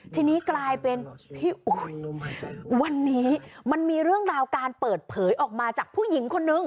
ทีนี้กลายเป็นพี่อุ๋ยวันนี้มันมีเรื่องราวการเปิดเผยออกมาจากผู้หญิงคนนึง